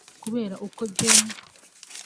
ari ukureba uko Gen